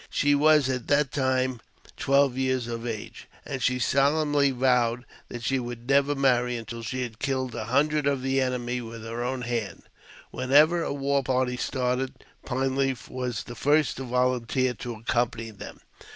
She was at that time twelve years of age, and she solemnly vowed that she would never marry until she had killed a hundred of the enemy with her own hand. Whenever a war party started. Pine Leaf was the first to volunteer to accompany them.